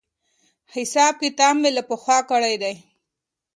حساب کتاب مې له پخوا کړی دی.